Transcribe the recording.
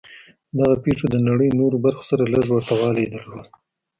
دغو پېښو د نړۍ نورو برخو سره لږ ورته والی درلود